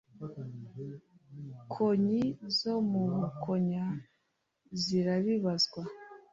konyi zo mu Bukonya zirabibazwa